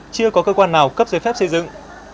chưa có cơ quan nào cấp giấy phép xây dựng